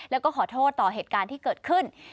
แล้วก็ขอโทษต่อเหตุการณ์ที่เกิดขึ้น